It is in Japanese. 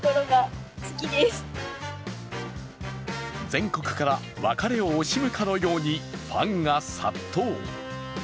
全国から別れを惜しむかのようにファンが殺到。